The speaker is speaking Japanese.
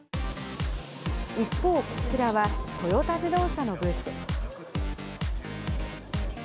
一方、こちらはトヨタ自動車のブース。